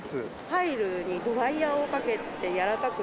ファイルにドライヤーをかけてやらかくして。